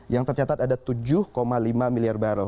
yang tercatat ada tujuh lima miliar baru